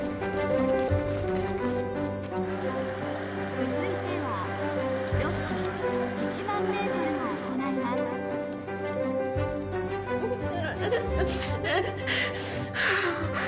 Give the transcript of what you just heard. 続いては女子１万メートルを行います。